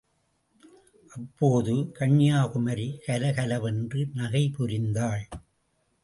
அப்போது, கன்யாகுமரி கலகல வென்று நகை புரிந்தாள்.